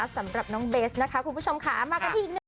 สำหรับน้องเบสนะคะคุณผู้ชมค่ะมากันที่อีกหนึ่ง